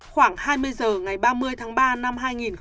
khoảng hai mươi giờ ngày ba mươi tháng ba năm hai nghìn hai mươi một